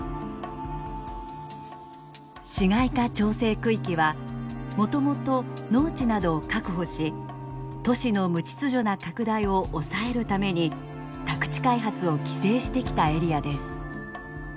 市街化調整区域はもともと農地などを確保し都市の無秩序な拡大を抑えるために宅地開発を規制してきたエリアです。